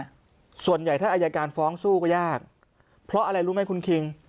ส่วนใหญ่ถ้าอายการฟ้องสู้ก็ยากเพราะอะไรรู้ไหมคุณคิง